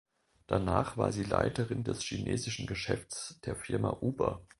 Danach war sie Leiterin des chinesischen Geschäfts der Firma Uber.